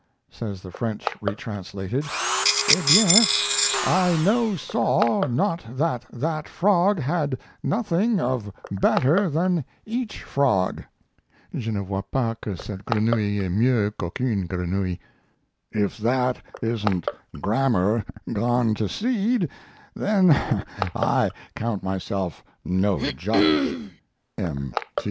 Says the French, retranslated: "Eh bien! I no saw not that that frog had nothing of better than each frog" (Je ne vois pas que cette grenouille ait mieux qu'aucune grenouille). (If that isn't grammar gone to seed then I count myself no judge. M.